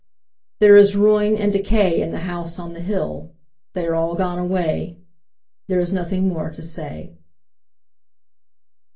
There is ruin and decay In the House on the Hill They are all gone away, There is nothing more to say.